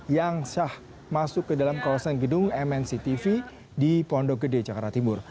yang sah masuk ke dalam kawasan gedung mnctv di pondok gede jakarta timur